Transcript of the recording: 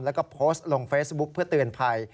แล้วก็โพสต์ลงเฟซบุ๊คเพื่อเตือนภัย